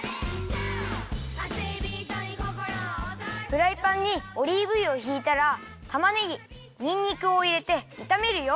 フライパンにオリーブ油をひいたらたまねぎにんにくをいれていためるよ。